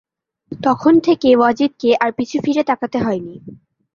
তখন থেকে ওয়াজিদকে আর পিছু ফিরে তাকাতে হয় নি।